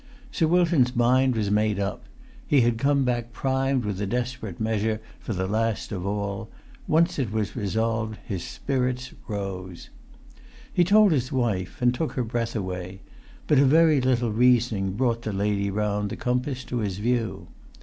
Sir Wilton's mind was made up. He had come back primed with a desperate measure for the last of all. Once it was resolved upon, his spirits rose. He told his wife and took her breath away; but a very little reasoning brought the lady round the compass to his view.